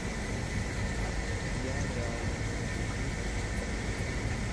ايا ڳالھ بلجي متان